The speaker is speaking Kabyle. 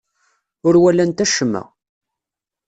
Ur walant acemma.